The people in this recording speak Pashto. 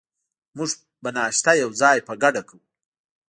موږ به ناشته یوځای په ګډه کوو.